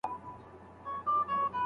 د څېړني اصولو ته باید پوره پاملرنه وسي.